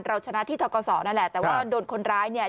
เราชนะที่ทกศนั่นแหละแต่ว่าโดนคนร้ายเนี่ย